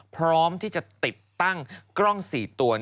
พร้อมที่จะติดตั้งกล้อง๔ตัว